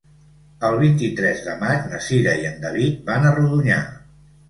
El vint-i-tres de maig na Cira i en David van a Rodonyà.